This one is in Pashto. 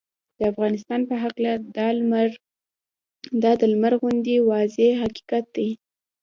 د افغانستان په هکله دا د لمر غوندې واضحه حقیقت دی